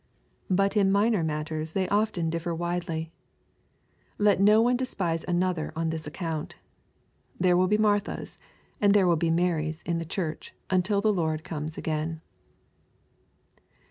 But in minor matters they often differ LUKE^ CIIAF. X. 385 widely. Let not one despise another on this account. There will be Marthas and there will be Marys in the Church until the Lord comes again.